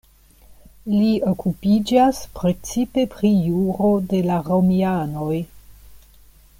Li okupiĝas precipe pri juro de la romianoj.